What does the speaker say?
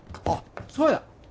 あっそうや！